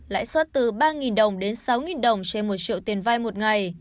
lãi suất từ ba đồng đến sáu đồng trên một triệu tiền vai một ngày